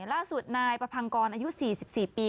ล่าสุดนายประพังกรอายุ๔๔ปี